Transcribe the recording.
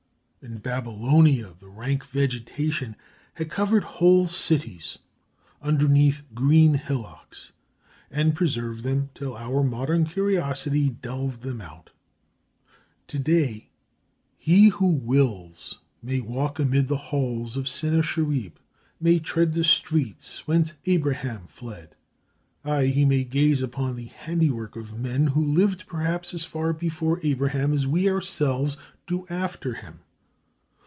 In Babylonia the rank vegetation had covered whole cities underneath green hillocks, and preserved them till our modern curiosity delved them out. To day, he who wills, may walk amid the halls of Sennacherib, may tread the streets whence Abraham fled, ay, he may gaze upon the handiwork of men who lived perhaps as far before Abraham as we ourselves do after him.